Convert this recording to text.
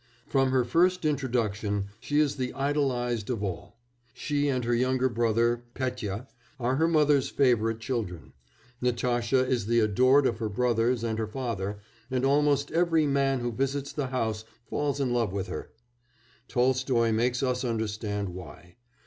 From her first introduction she is the idolised of all; she and her younger brother, Petya, are her mother's favourite children; Natasha is the adored of her brothers and her father, and almost every man who visits the house falls in love with her. Tolstoy makes us understand why.